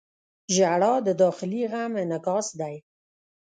• ژړا د داخلي غم انعکاس دی.